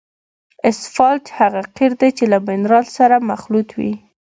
اسفالټ هغه قیر دی چې له منرال سره مخلوط وي